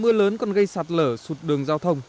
mưa lớn còn gây sạt lở sụt đường giao thông